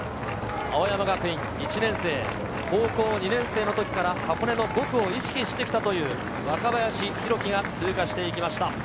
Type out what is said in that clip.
青山学院１年生、高校２年生の時から箱根の５区を意識してきたという若林宏樹が通過していきました。